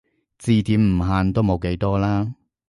字典唔限都冇幾多啦